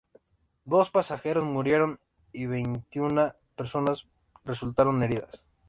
Dos pasajeros murieron y veintiuna personas resultaron heridas.